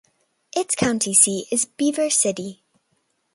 Its county seat is Beaver City.